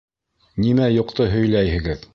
Нимә юҡты һөйләйһегеҙ?